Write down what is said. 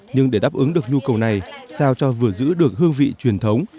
nhưng để đáp ứng được nhu cầu này sao cho vừa giữ được hương vị truyền thống